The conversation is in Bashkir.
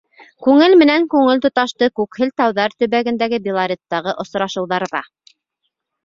Күңел менән күңел тоташты күкһел тауҙар төбәгендәге Белореттағы осрашыуҙарҙа.